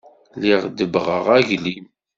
Lliɣ debbɣeɣ aglim.